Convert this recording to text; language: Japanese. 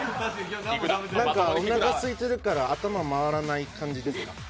なんか、おなかすいてるから頭回らない感じですか？